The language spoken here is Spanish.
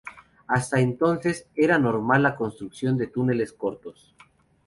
Hasta ese entonces, era normal la construcción de túneles cortos.